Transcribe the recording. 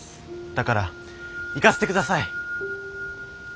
だから行かせて下さい。